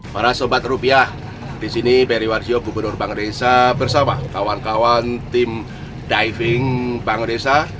para sobat rupiah disini beri warsio gubernur bangresa bersama kawan kawan tim diving bangresa